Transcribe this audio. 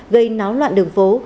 gây náo loạn đường phố